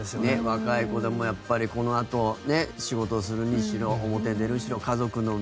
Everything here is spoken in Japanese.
若い子でもやっぱりこのあとね仕事をするにしろ表に出るにしろ家族の見え方とか。